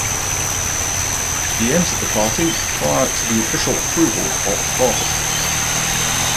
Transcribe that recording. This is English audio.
He entered the party prior to the official approval of the party.